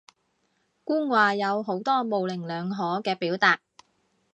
官話有好多模棱兩可嘅表達